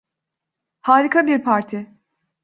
Harika bir parti.